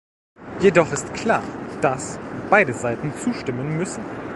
Jedoch ist klar, dass beide Seiten zustimmen müssen.